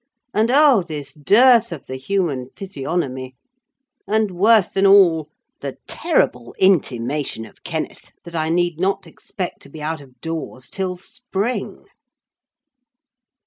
And oh, this dearth of the human physiognomy! and, worse than all, the terrible intimation of Kenneth that I need not expect to be out of doors till spring!